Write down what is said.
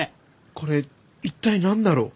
これ一体何だろう？